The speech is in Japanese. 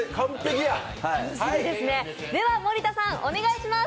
では森田さん、お願いします。